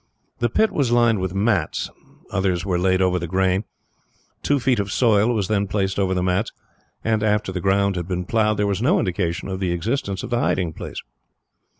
The pit was lined with mats, others were laid over the grain. Two feet of soil was then placed over the mats and, after the ground had been ploughed, there was no indication of the existence of the hiding place.